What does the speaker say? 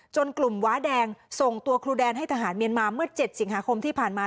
กลุ่มว้าแดงส่งตัวครูแดนให้ทหารเมียนมาเมื่อ๗สิงหาคมที่ผ่านมา